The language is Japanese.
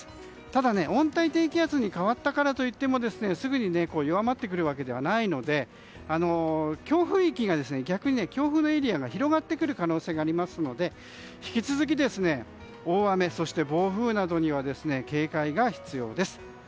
ただ、温帯低気圧に変わったからといってもすぐに弱まってくるわけではないので強風域、強風のエリアが逆に広がってくる可能性がありますので引き続き、大雨と暴風などには警戒が必要です。